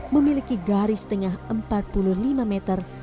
memiliki garis tengah empat puluh lima meter